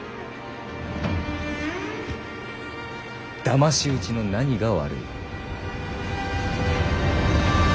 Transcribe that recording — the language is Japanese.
だまし討ちの何が悪い。